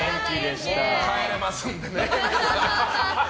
もう帰れますんでね。